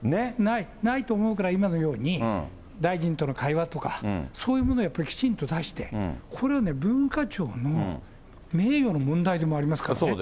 ないと思うから、今のように、大臣との会話とか、そういうものやっぱりきちんと出して、これはね、文化庁の名誉の問題でもありますからね。